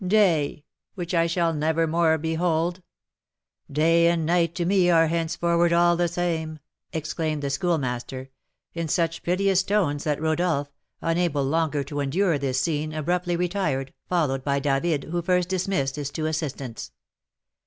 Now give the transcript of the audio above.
"Day! which I shall never more behold! Day and night to me are henceforward all the same!" exclaimed the Schoolmaster, in such piteous tones that Rodolph, unable longer to endure this scene, abruptly retired, followed by David, who first dismissed his two assistants.